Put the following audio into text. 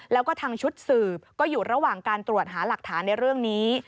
แล้วก็ทางชุดสืบก็อยู่ระหว่างการตรวจหาหลักฐานในเรื่องนี้